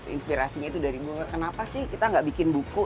inspirasinya itu dari gue kenapa sih kita gak bikin buku